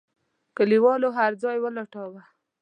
کليوالو هرځای ولټاوه.